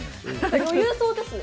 余裕そうですね。